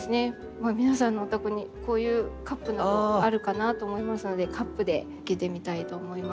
皆さんのお宅にこういうカップなどあるかなと思いますのでカップで生けてみたいと思います。